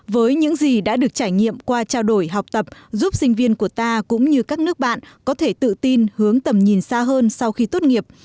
với những gì đã được trải nghiệm qua trao đổi học tập giúp sinh viên của ta cũng như các nước bạn có thể tự tin hướng tầm nhìn xa hơn sau khi tốt nghiệp